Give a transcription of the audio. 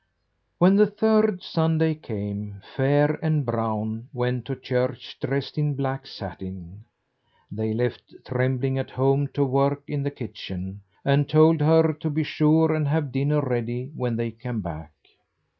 When the third Sunday came, Fair and Brown went to church dressed in black satin. They left Trembling at home to work in the kitchen, and told her to be sure and have dinner ready when they came back.